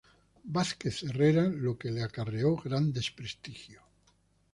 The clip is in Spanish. Vázquez Herrera, lo que le acarreó gran desprestigio.